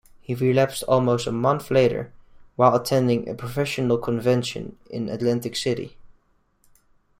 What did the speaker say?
He relapsed almost a month later while attending a professional convention in Atlantic City.